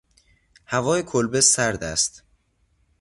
هوای کلبه سرد است.